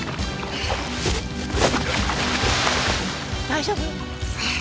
大丈夫？